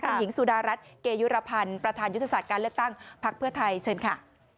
คุณหญิงสุดารัฐเกยุรพันธ์ประธานยุทธศาสตร์การเลือกตั้งพักเพื่อไทยเชิญค่ะ